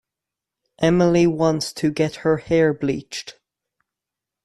Emily wants to get her hair bleached.